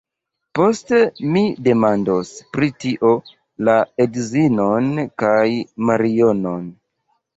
Poste mi demandos pri tio la edzinon kaj Marionon.